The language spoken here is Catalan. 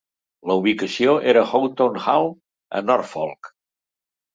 La ubicació era Houghton Hall a Norflok.